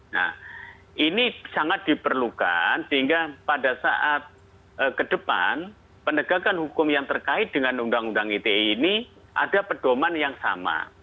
nah ini sangat diperlukan sehingga pada saat ke depan penegakan hukum yang terkait dengan undang undang ite ini ada pedoman yang sama